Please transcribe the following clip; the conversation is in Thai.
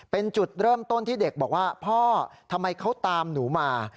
เป็นจุดเริ่มต้นที่เด็กบอกว่าพ่อทำไมเขาตามหนูมา